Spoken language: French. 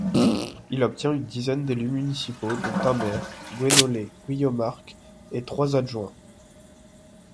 Il obtient une dizaine d'élus municipaux dont un maire, Gwénolé Guyomarc'h, et trois adjoints.